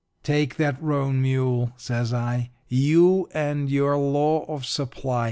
"'Take that roan mule,' says I. 'You and your law of supply!